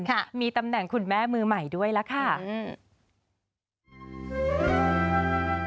ค่ะมีตำแหน่งคุณแม่มือใหม่ด้วยล่ะค่ะอืม